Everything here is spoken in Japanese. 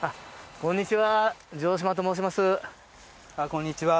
こんにちは。